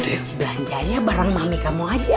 nanti belanjanya bareng mami kamu aja